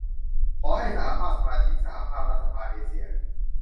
ขอให้สหภาพสมาชิกสหภาพรัฐสภาเอเชีย